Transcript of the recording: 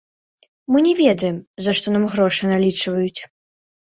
Мы не ведаем, за што нам грошы налічваюць.